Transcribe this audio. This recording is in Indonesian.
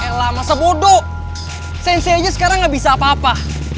eh lah masa bodo sensei aja sekarang gak bisa apa apa